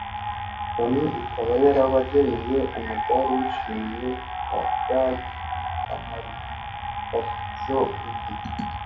Loni ikaba yarabageneye umudali w’ishimwe wa Dag Hammarskjold